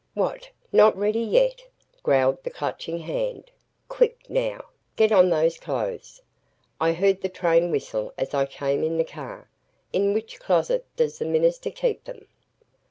"What not ready yet?" growled the Clutching Hand. "Quick now get on those clothes. I heard the train whistle as I came in the car. In which closet does the minister keep them?"